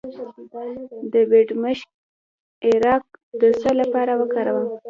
د بیدمشک عرق د څه لپاره وکاروم؟